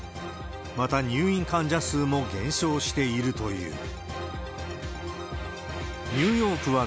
また、入院患者数も減少して、いるという。